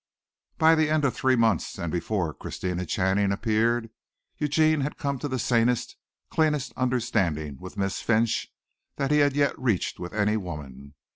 By the end of three months and before Christina Channing appeared, Eugene had come to the sanest, cleanest understanding with Miss Finch that he had yet reached with any woman.